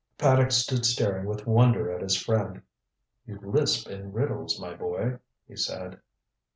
Paddock stood staring with wonder at his friend. "You lisp in riddles, my boy," he said.